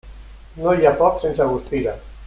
No hi ha foc sense guspira.